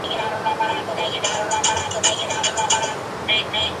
Tiene varias ponencias en Congresos Militares Internacionales.